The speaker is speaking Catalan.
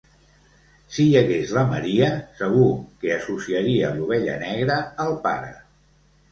Si hi hagués la Maria segur que associaria l'ovella negra al pare.